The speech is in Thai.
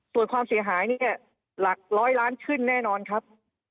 ส่วนความเสียหายเนี่ยหลักร้อยล้านขึ้นแน่นอนครับ